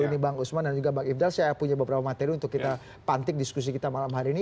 ini bang usman dan juga bang ifdal saya punya beberapa materi untuk kita pantik diskusi kita malam hari ini